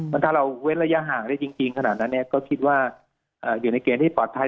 แล้วถ้าเราเว้นระยะห่างได้จริงขนาดนั้นก็คิดว่าอยู่ในเกณฑ์ที่ปลอดภัย